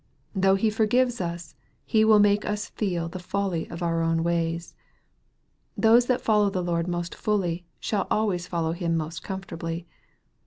Though He forgives us, He will make us feel the folly of our own ways. Those that follow the Lord most fully, shall always follow Him most comfortably.